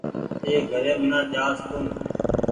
اي گھريم نا جآس تو